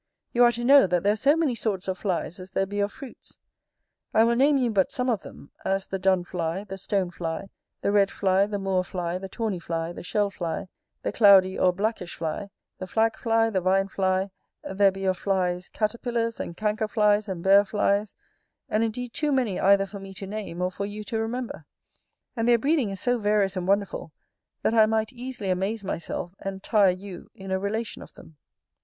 You are to know, that there are so many sorts of flies as there be of fruits: I will name you but some of them; as the dun fly, the stone fly, the red fly, the moor fly, the tawny fly, the shell fly, the cloudy or blackish fly, the flag fly, the vine fly; there be of flies, caterpillars, and canker flies, and bear flies; and indeed too many either for me to name, or for you to remember. And their breeding is so various and wonderful, that I might easily amaze myself, and tire you in a relation of them.